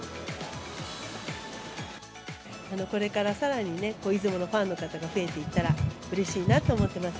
これからさらにね、出雲のファンの方が増えていったらうれしいなと思ってます。